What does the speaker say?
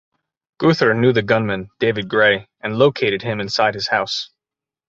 Guthrie knew the gunman, David Gray, and located him inside his house.